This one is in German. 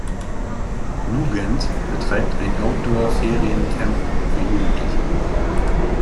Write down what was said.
Nugent betreibt ein "Outdoor"-Feriencamp für Jugendliche.